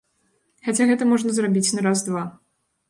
Хаця гэта можна зрабіць на раз-два.